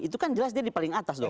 itu kan jelas dia di paling atas loh